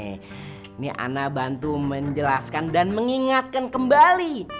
ini ana bantu menjelaskan dan mengingatkan kembali